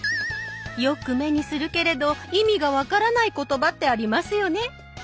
よく目にするけれど意味が分からない言葉ってありますよね？